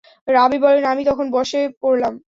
রাবী বলেন, আমি তখন বসে পড়লাম।